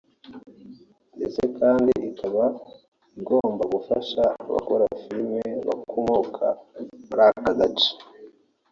… ndetse kandi ikaba iba igomba gufasha abakora filime bakomoka muri ako gace